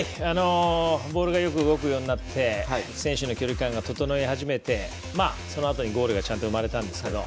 ボールがよく動くようになって選手の距離感が整い始めて、そのあとにちゃんとゴールが生まれたんですけど。